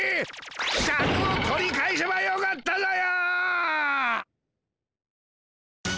シャクを取り返せばよかったぞよ！